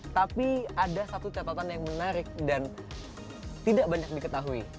tapi ada satu catatan yang menarik dan tidak banyak diketahui